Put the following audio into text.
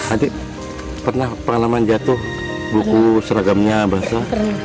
adik pernah pengalaman jatuh buku seragamnya basah